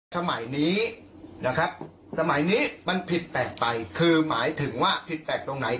สมัยนี้นะครับสมัยนี้มันผิดแปลกไปคือหมายถึงว่าผิดแปลกตรงไหน